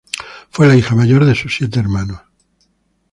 Fue la hija mayor de sus siete hermanos.